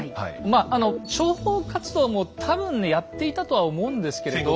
まあ諜報活動も多分ねやっていたとは思うんですけれど。